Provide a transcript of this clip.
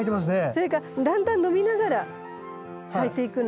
それかだんだん伸びながら咲いていくの。